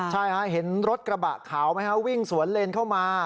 ใช่ฮะเห็นรถกระบะขาวไหมฮะวิ่งสวนเลนเข้ามา